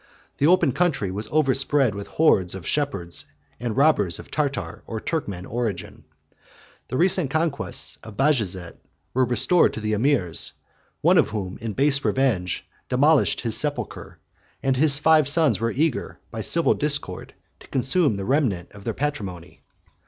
The open country was overspread with hordes of shepherds and robbers of Tartar or Turkman origin; the recent conquests of Bajazet were restored to the emirs, one of whom, in base revenge, demolished his sepulchre; and his five sons were eager, by civil discord, to consume the remnant of their patrimony.